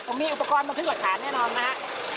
ผมมีอุปกรณ์มาทรึกหลักฐานแน่นอนนะฮะ